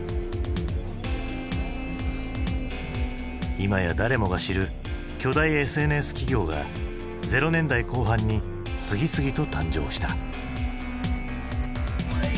今や誰もが知る巨大ＳＮＳ企業がゼロ年代後半に次々と誕生した。